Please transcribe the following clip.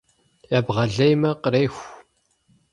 Ебгъэлеймэ — къреху.